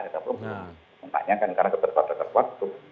kita belum menanyakan karena ketika terlalu dekat waktu